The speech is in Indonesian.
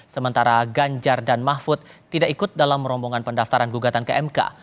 sementara ganjar dan mahfud tidak ikut dalam rombongan pendaftaran gugatan ke mk